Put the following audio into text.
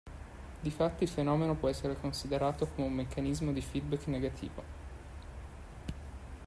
Difatti il fenomeno può essere considerato come un meccanismo di feedback negativo.